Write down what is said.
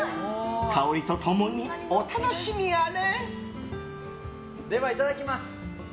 香りと共にお楽しみあれ！